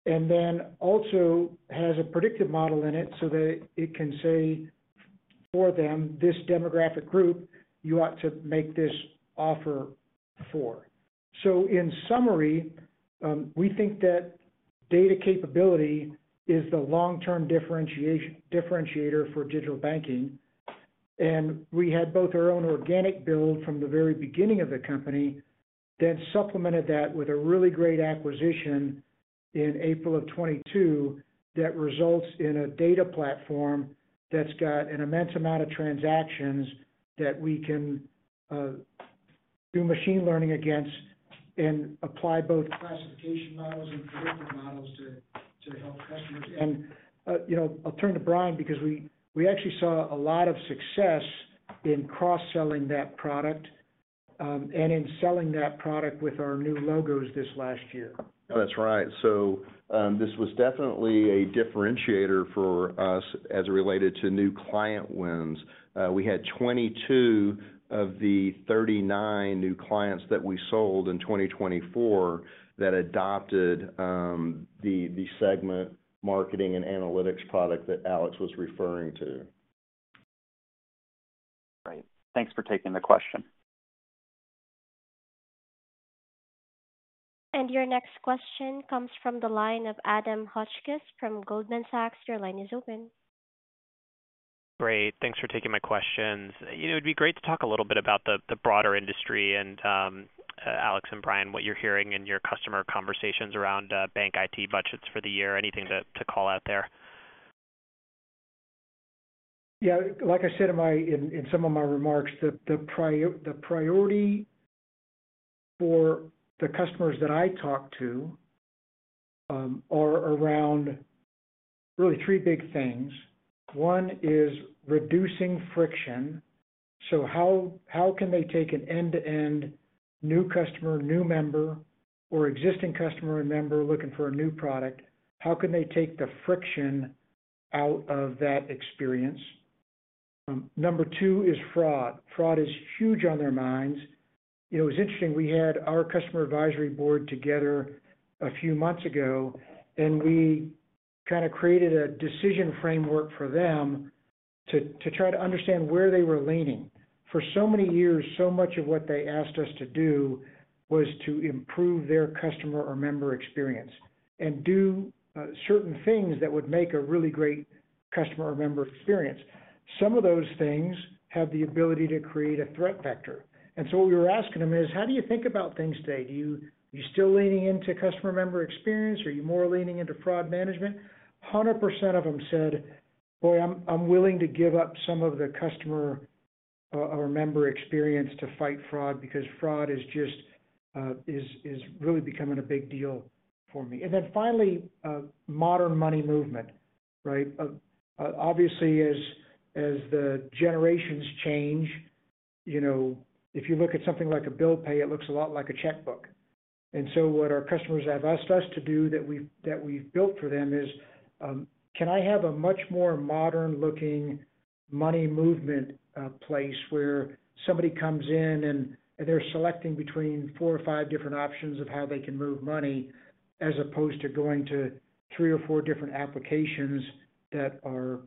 [SPEAKER 3] and then also has a predictive model in it so that it can say for them, "This demographic group, you ought to make this offer for." So in summary, we think that data capability is the long-term differentiator for digital banking. And we had both our own organic build from the very beginning of the company, then supplemented that with a really great acquisition in April of 2022 that results in a data platform that's got an immense amount of transactions that we can do machine learning against and apply both classification models and predictive models to help customers. I'll turn to Bryan because we actually saw a lot of success in cross-selling that product and in selling that product with our new logos this last year.
[SPEAKER 5] Oh, that's right. So this was definitely a differentiator for us as it related to new client wins. We had 22 of the 39 new clients that we sold in 2024 that adopted the Segment marketing and analytics product that Alex was referring to.
[SPEAKER 8] Great. Thanks for taking the question.
[SPEAKER 1] Your next question comes from the line of Adam Hotchkiss from Goldman Sachs. Your line is open.
[SPEAKER 10] Great. Thanks for taking my questions. It would be great to talk a little bit about the broader industry and, Alex and Bryan, what you're hearing in your customer conversations around bank IT budgets for the year. Anything to call out there?
[SPEAKER 3] Yeah. Like I said in some of my remarks, the priority for the customers that I talk to are around really three big things. One is reducing friction. So how can they take an end-to-end new customer, new member, or existing customer and member looking for a new product? How can they take the friction out of that experience? Number two is fraud. Fraud is huge on their minds. It was interesting. We had our customer advisory board together a few months ago, and we kind of created a decision framework for them to try to understand where they were leaning. For so many years, so much of what they asked us to do was to improve their customer or member experience and do certain things that would make a really great customer or member experience. Some of those things have the ability to create a threat vector. And so what we were asking them is, "How do you think about things today? Are you still leaning into customer member experience, or are you more leaning into fraud management?" 100% of them said, "Boy, I'm willing to give up some of the customer or member experience to fight fraud because fraud is really becoming a big deal for me." And then finally, modern money movement, right? Obviously, as the generations change, if you look at something like a bill pay, it looks a lot like a checkbook. And so what our customers have asked us to do that we've built for them is, "Can I have a much more modern-looking money movement place where somebody comes in and they're selecting between four or five different options of how they can move money as opposed to going to three or four different applications that are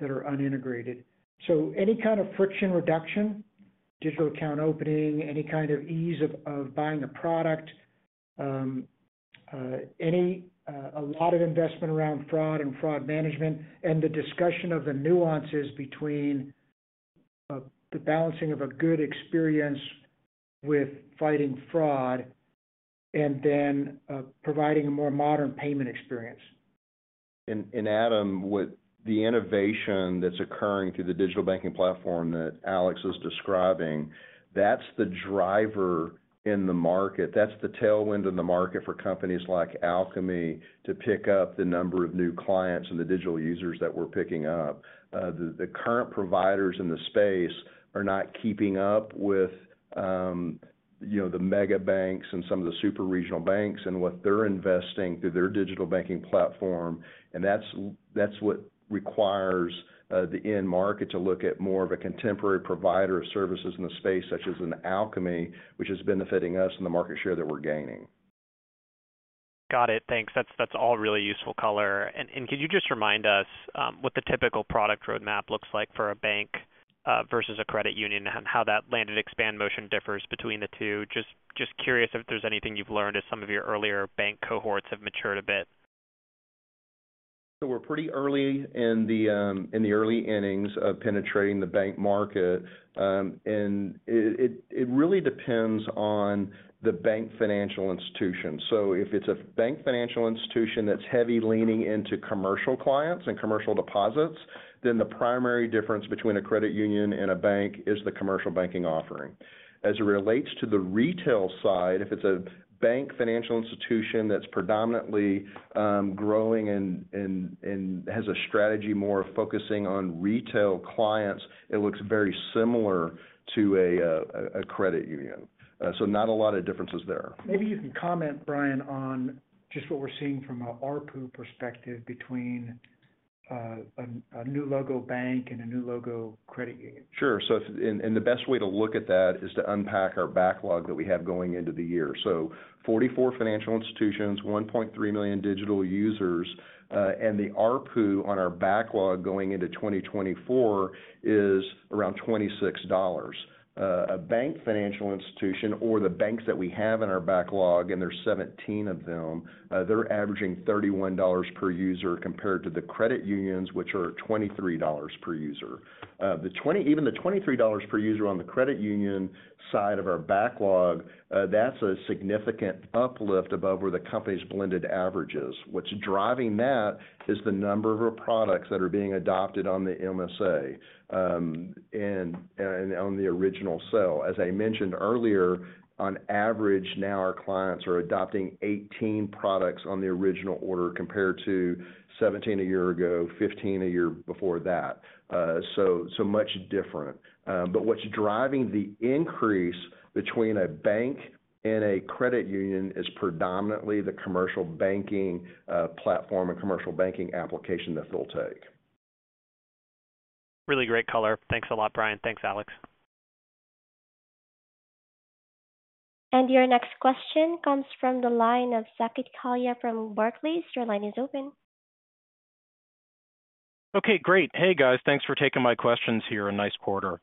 [SPEAKER 3] unintegrated?" So any kind of friction reduction, digital account opening, any kind of ease of buying a product, a lot of investment around fraud and fraud management, and the discussion of the nuances between the balancing of a good experience with fighting fraud and then providing a more modern payment experience.
[SPEAKER 5] Adam, the innovation that's occurring through the digital banking platform that Alex is describing, that's the driver in the market. That's the tailwind in the market for companies like Alkami to pick up the number of new clients and the digital users that we're picking up. The current providers in the space are not keeping up with the mega banks and some of the super regional banks and what they're investing through their digital banking platform. That's what requires the end market to look at more of a contemporary provider of services in the space such as Alkami, which is benefiting us and the market share that we're gaining.
[SPEAKER 10] Got it. Thanks. That's all really useful color. And could you just remind us what the typical product roadmap looks like for a bank versus a credit union and how that land-and-expand motion differs between the two? Just curious if there's anything you've learned as some of your earlier bank cohorts have matured a bit.
[SPEAKER 5] We're pretty early in the early innings of penetrating the bank market. It really depends on the bank financial institution. If it's a bank financial institution that's heavy leaning into commercial clients and commercial deposits, then the primary difference between a credit union and a bank is the commercial banking offering. As it relates to the retail side, if it's a bank financial institution that's predominantly growing and has a strategy more of focusing on retail clients, it looks very similar to a credit union. Not a lot of differences there.
[SPEAKER 3] Maybe you can comment, Bryan, on just what we're seeing from an ARPU perspective between a new logo bank and a new logo credit union?
[SPEAKER 5] Sure. And the best way to look at that is to unpack our backlog that we have going into the year. So 44 financial institutions, 1.3 million digital users, and the ARPU on our backlog going into 2024 is around $26. A bank financial institution or the banks that we have in our backlog, and there's 17 of them, they're averaging $31 per user compared to the credit unions, which are at $23 per user. Even the $23 per user on the credit union side of our backlog, that's a significant uplift above where the company's blended averages. What's driving that is the number of products that are being adopted on the MSA and on the original sale. As I mentioned earlier, on average, now our clients are adopting 18 products on the original order compared to 17 a year ago, 15 a year before that. So much different. But what's driving the increase between a bank and a credit union is predominantly the commercial banking platform and commercial banking application that they'll take.
[SPEAKER 10] Really great color. Thanks a lot, Bryan. Thanks, Alex.
[SPEAKER 3] Your next question comes from the line of Saket Kalia from Barclays. Your line is open.
[SPEAKER 10] Okay. Great. Hey, guys. Thanks for taking my questions here. A nice quarter.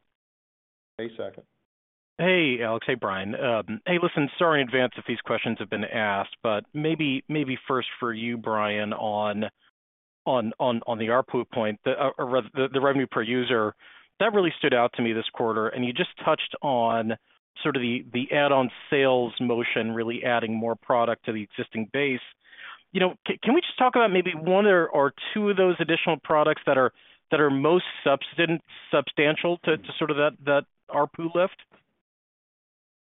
[SPEAKER 5] Hey, Saket.
[SPEAKER 10] Hey, Alex. Hey, Bryan. Hey, listen, sorry in advance if these questions have been asked, but maybe first for you, Bryan, on the ARPU point, the revenue per user, that really stood out to me this quarter. And you just touched on sort of the add-on sales motion really adding more product to the existing base. Can we just talk about maybe one or two of those additional products that are most substantial to sort of that ARPU lift?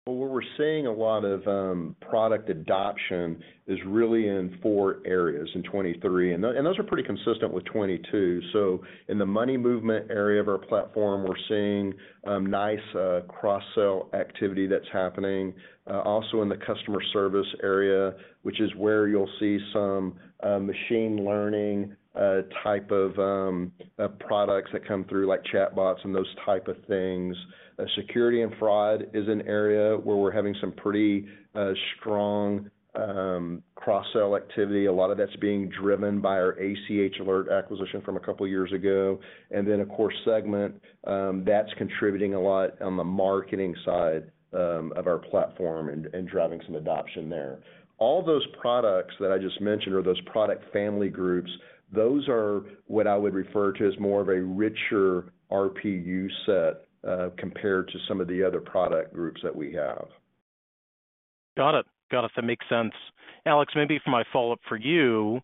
[SPEAKER 5] Well, what we're seeing a lot of product adoption is really in four areas in 2023, and those are pretty consistent with 2022. So in the money movement area of our platform, we're seeing nice cross-sell activity that's happening. Also in the customer service area, which is where you'll see some machine learning type of products that come through like chatbots and those type of things. Security and fraud is an area where we're having some pretty strong cross-sell activity. A lot of that's being driven by our ACH Alert acquisition from a couple of years ago. And then, of course, Segmint, that's contributing a lot on the marketing side of our platform and driving some adoption there. All those products that I just mentioned or those product family groups, those are what I would refer to as more of a richer RPU set compared to some of the other product groups that we have.
[SPEAKER 10] Got it. Got it. That makes sense. Alex, maybe for my follow-up for you,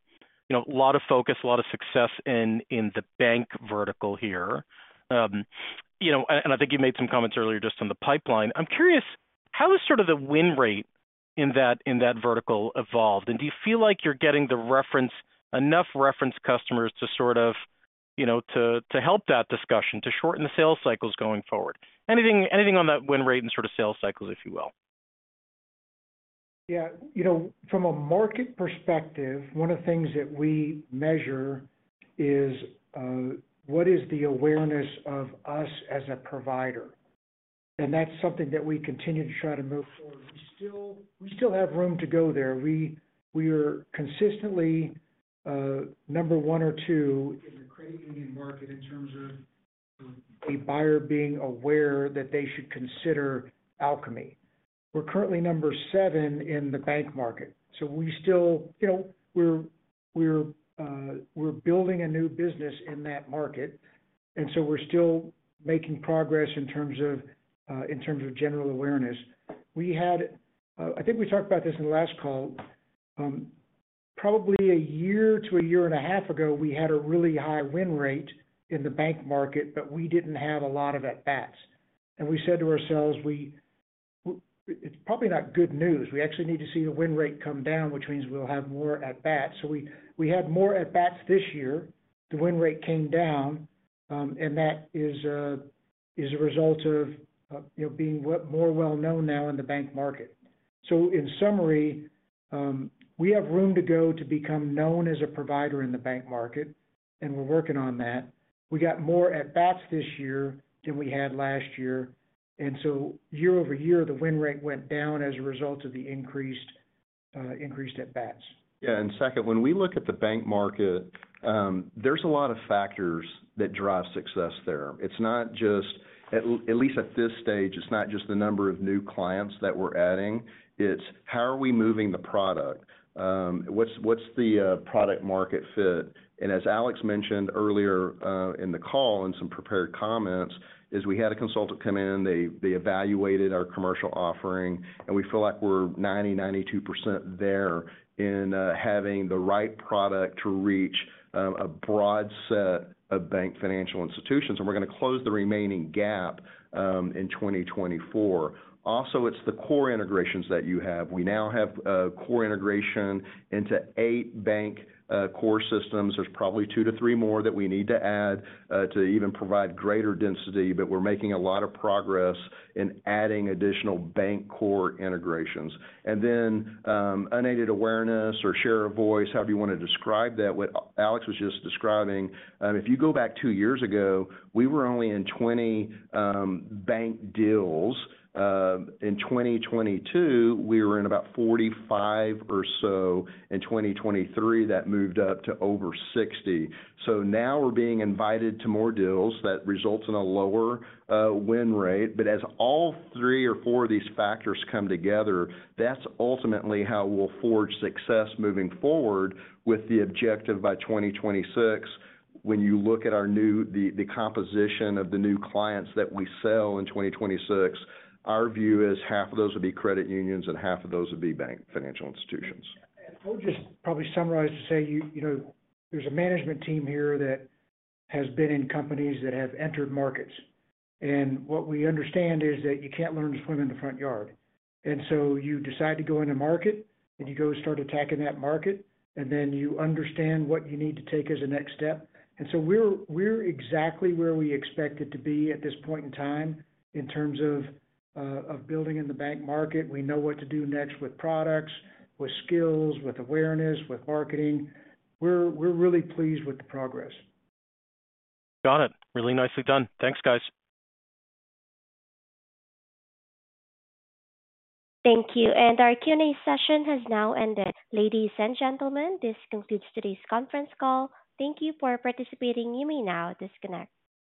[SPEAKER 10] a lot of focus, a lot of success in the bank vertical here. And I think you made some comments earlier just on the pipeline. I'm curious, how has sort of the win rate in that vertical evolved? And do you feel like you're getting enough reference customers to sort of help that discussion, to shorten the sales cycles going forward? Anything on that win rate and sort of sales cycles, if you will.
[SPEAKER 3] Yeah. From a market perspective, one of the things that we measure is what is the awareness of us as a provider? And that's something that we continue to try to move forward. We still have room to go there. We are consistently number 1 or 2 in the credit union market in terms of a buyer being aware that they should consider Alkami. We're currently number 7 in the bank market. So we're building a new business in that market. And so we're still making progress in terms of general awareness. I think we talked about this in the last call. Probably a year to a year and a half ago, we had a really high win rate in the bank market, but we didn't have a lot of at-bats. And we said to ourselves, "It's probably not good news. We actually need to see the win rate come down, which means we'll have more at-bats." So we had more at-bats this year. The win rate came down, and that is a result of being more well-known now in the bank market. So in summary, we have room to go to become known as a provider in the bank market, and we're working on that. We got more at-bats this year than we had last year. And so year-over-year, the win rate went down as a result of the increased at-bats.
[SPEAKER 5] Yeah. And Saket, when we look at the bank market, there's a lot of factors that drive success there. At least at this stage, it's not just the number of new clients that we're adding. It's how are we moving the product? What's the product-market fit? And as Alex mentioned earlier in the call in some prepared comments, is we had a consultant come in. They evaluated our commercial offering, and we feel like we're 90%-92% there in having the right product to reach a broad set of bank financial institutions. And we're going to close the remaining gap in 2024. Also, it's the core integrations that you have. We now have core integration into 8 bank core systems. There's probably 2-3 more that we need to add to even provide greater density, but we're making a lot of progress in adding additional bank core integrations. Then unaided awareness or share of voice, however you want to describe that. What Alex was just describing, if you go back two years ago, we were only in 20 bank deals. In 2022, we were in about 45 or so. In 2023, that moved up to over 60. Now we're being invited to more deals. That results in a lower win rate. As all three or four of these factors come together, that's ultimately how we'll forge success moving forward with the objective by 2026. When you look at the composition of the new clients that we sell in 2026, our view is half of those would be credit unions and half of those would be bank financial institutions.
[SPEAKER 3] I would just probably summarize to say there's a management team here that has been in companies that have entered markets. What we understand is that you can't learn to swim in the front yard. So you decide to go into market, and you go start attacking that market, and then you understand what you need to take as a next step. We're exactly where we expect it to be at this point in time in terms of building in the bank market. We know what to do next with products, with skills, with awareness, with marketing. We're really pleased with the progress.
[SPEAKER 10] Got it. Really nicely done. Thanks, guys.
[SPEAKER 3] Thank you. Our Q&A session has now ended. Ladies and gentlemen, this concludes today's conference call. Thank you for participating. You may now disconnect.